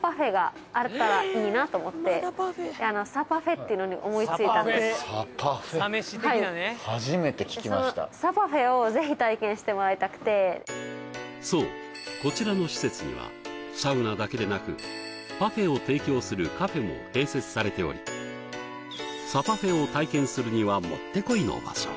はいはいはい確かになのでサパフェ初めて聞きましたそうこちらの施設にはサウナだけでなくパフェを提供するカフェも併設されておりサパフェを体験するにはもってこいの場所